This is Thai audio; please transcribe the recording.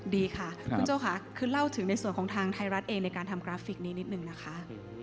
ดีค่ะคุณโจ้ค่ะคือเล่าถึงในส่วนของทางไทยรัฐเองในการทำกราฟิกนี้นิดนึงนะคะ